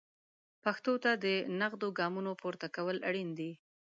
پښتو ته د نغدو ګامونو پورته کول اړین دي.